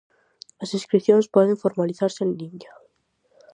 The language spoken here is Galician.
As inscricións poden formalizarse en liña.